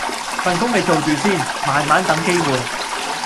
份工你做住先，慢慢等機會